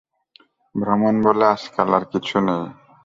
ভ্রমণ বলে আজকাল আর কিছু নেই।